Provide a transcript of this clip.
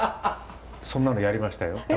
そんなのやりましたよ。